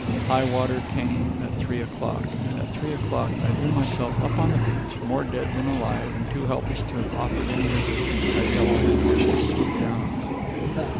High water came at three o'clock, and at three o'clock I drew myself up on the beach, more dead than alive, and too helpless to have offered any resistance had Yellow Handkerchief swooped down upon me.